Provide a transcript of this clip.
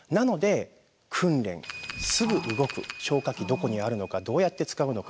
消火器どこにあるのかどうやって使うのか。